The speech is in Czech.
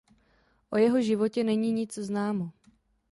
O jeho životě není nic známo.